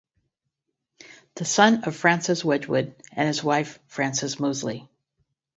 The son of Francis Wedgwood and his wife Frances Mosley.